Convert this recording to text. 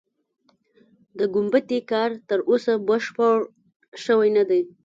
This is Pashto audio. د ګومبتې کار تر اوسه بشپړ شوی نه دی.